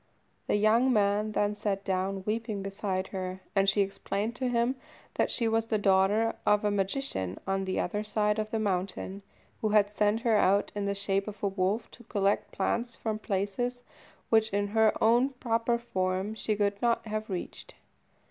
The young man then sat down weeping beside her, and she explained to him that she was the daughter of a magician, on the other side of the mountain, who had sent her out in the shape of a wolf to collect plants from places which, in her own proper form, she could not have reached.